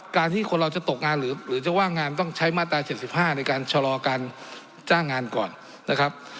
การที่คนเราจะตกงานหรือจะว่างงานต้องใช้มาตรา๗๕ในการชะลอการจ้างงานก่อนนะครับ